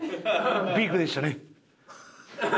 ピークでしたね。